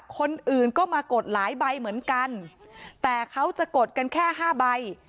คนอื่นก็มากดหลายใบเหมือนกันแต่เขาจะกดกันแค่ห้าใบ